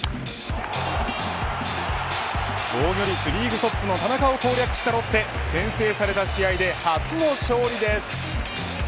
防御率リーグトップの田中を攻略したロッテ先制された試合で初の勝利です。